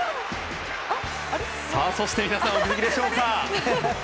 そして、皆さんお気づきでしょうか。